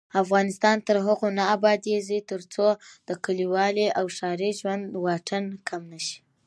افغانستان تر هغو نه ابادیږي، ترڅو د کلیوالي او ښاري ژوند واټن کم نشي.